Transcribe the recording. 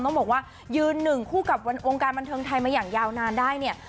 ต้องบอกว่ายืนหนึ่งคู่กับวงการบันเทิงไทยมาอย่างยาวนานได้เนี่ย